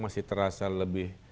masih terasa lebih